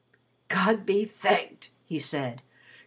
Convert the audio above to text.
"God be thanked!" he said.